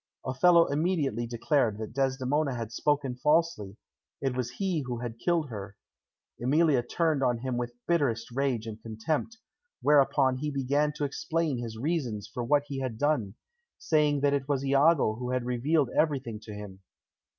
Othello immediately declared that Desdemona had spoken falsely; it was he who had killed her. Emilia turned on him with bitterest rage and contempt, whereupon he began to explain his reasons for what he had done, saying that it was Iago who had revealed everything to him.